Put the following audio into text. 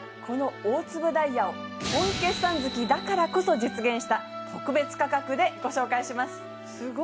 この大粒ダイヤを本決算月だからこそ実現した特別価格でご紹介します